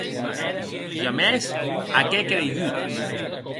Jamès ac è creigut!